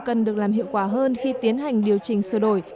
cần được làm hiệu quả hơn khi tiến hành điều chỉnh sửa đổi